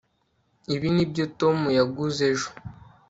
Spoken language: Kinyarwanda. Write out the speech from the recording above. ibi nibyo tom yaguze ejo